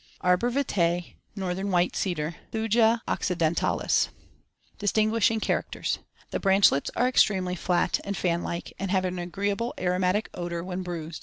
ARBOR VITAE; NORTHERN WHITE CEDAR (Thuja occidentalis) Distinguishing characters: The *branchlets* are extremely *flat and fan like*, Fig. 13, and have an agreeable aromatic odor when bruised.